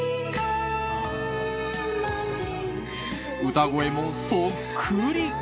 歌声もそっくり！